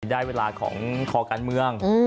ได้เวลาของคอการเมือง